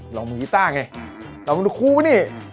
ร้องมือกีตาร์ไงเรามันคู่นี่